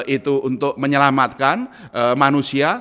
itu untuk menyelamatkan manusia